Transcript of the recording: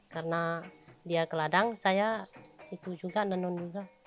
karena dia ke ladang saya itu juga menenun juga